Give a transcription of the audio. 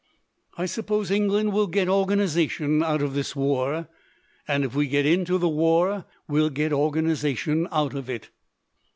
"I suppose England will get organization out of this war. And if we get into the war, well get organization out of it."